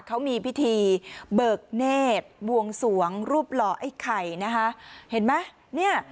เขามีพิธีเบิกเนธบวงสวงรูปหล่อไอ้ไข่นะคะเห็นไหมเนี่ย